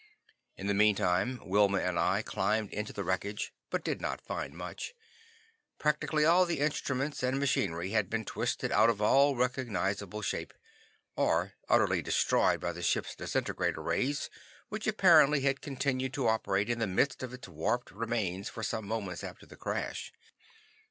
In the meantime Wilma and I climbed into the wreckage, but did not find much. Practically all of the instruments and machinery had been twisted out of all recognizable shape, or utterly destroyed by the ship's disintegrator rays which apparently had continued to operate in the midst of its warped remains for some moments after the crash.